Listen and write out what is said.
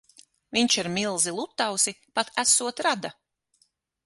Viņš ar milzi Lutausi pat esot rada.